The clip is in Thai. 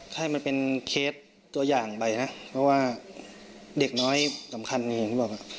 ให้มันเป็นเคสตัวอย่างไปนะเพราะว่าเด็กน้อยสำคัญอย่างที่บอก